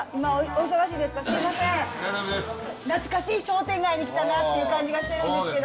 懐かしい商店街に来たなっていう感じがしてるんですけど。